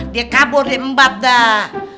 dia kabur dia ngembat dah